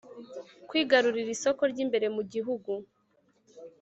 Kwigarurira isoko ry’imbere mu gihugu